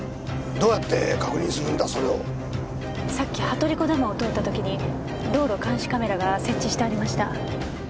さっき羽鳥湖ダムを通った時に道路監視カメラが設置してありました。